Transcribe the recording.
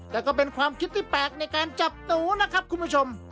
แต่ก็เป็นความคิดที่แปลกในการจับตูนะครับคุณผู้ชม